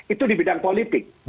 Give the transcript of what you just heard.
itu di bidang politik